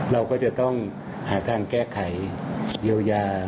เราก็จะต้องหาทางแก้ไขเยียวยา